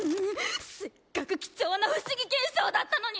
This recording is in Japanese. せっかく貴重な不思議現象だったのに！